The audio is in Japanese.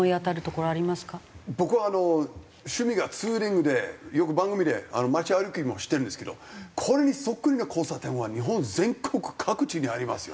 僕は趣味がツーリングでよく番組で街歩きもしてるんですけどこれにそっくりな交差点は日本全国各地にありますよね。